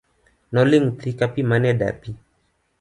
Noling' thi kapi mane dapi.